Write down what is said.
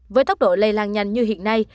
với tốc độ lây lan nhanh như hiện nay